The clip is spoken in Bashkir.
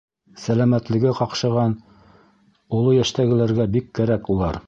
Сәләмәтлеге ҡаҡшаған оло йәштәгеләргә бик кәрәк улар.